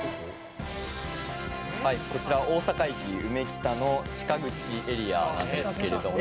「はいこちらは大阪駅うめきたの地下口エリアなんですけれども」